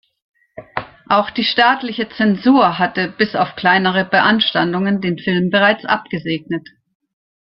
Auch die staatliche Zensur hatte, bis auf kleinere Beanstandungen, den Film bereits abgesegnet.